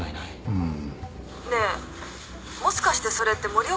うん。